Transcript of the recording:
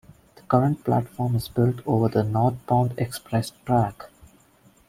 The current platform is built over the northbound express track.